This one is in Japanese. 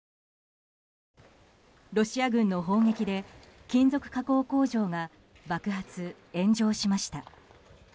ロシア軍の砲撃で金属加工工場が爆発・炎上しました。